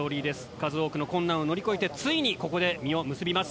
数多くの困難を乗り越えてついにここで実を結びます。